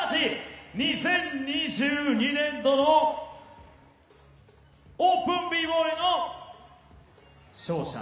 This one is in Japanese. ２０２２年度のオープンＢＢＯＹの勝者。